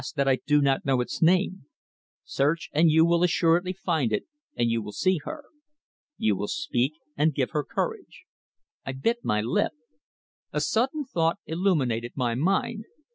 that I do not know its name. Search and you will assuredly find it and you will see her. You will speak, and give her courage." I bit my lip. A sudden thought illuminated my mind.